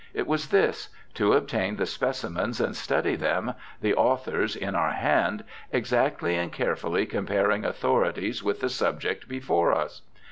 It was this : to obtain the specimens and study them, the authors in our hand, exactly and carefully comparing authorities with the subject before us.